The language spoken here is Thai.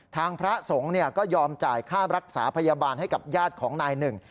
พระสงฆ์ก็ยอมจ่ายค่ารักษาพยาบาลให้กับญาติของนายหนึ่ง